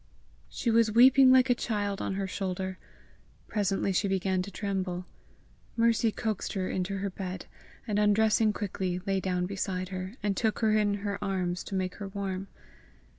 She was weeping like a child on her shoulder. Presently she began to tremble. Mercy coaxed her into her bed, and undressing quickly, lay down beside her, and took her in her arms to make her warm.